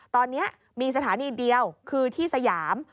ตอนนี้มีสถานีเดียวคือที่สยาม